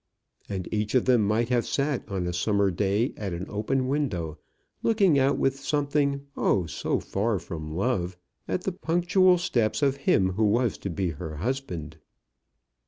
And each of them might have sat on a summer day, at an open window, looking out with something, oh, so far from love, at the punctual steps of him who was to be her husband.